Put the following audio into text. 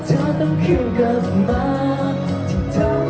ฉันที่มีกลุ่มพิมพ์ไว้